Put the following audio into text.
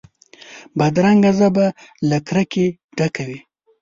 بدرنګه ژبه له کرکې ډکه وي